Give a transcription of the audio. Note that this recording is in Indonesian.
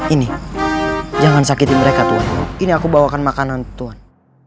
ini jangan sakiti mereka tuhan ini aku bawakan makanan tuhan